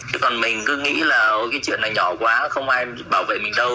thế còn mình cứ nghĩ là cái chuyện này nhỏ quá không ai bảo vệ mình đâu